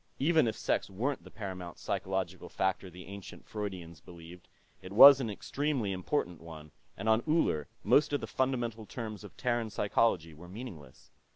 Even if sex weren't the paramount psychological factor the ancient Freudians believed, it was an extremely important one, and on Uller most of the fundamental terms of Terran psychology were meaningless.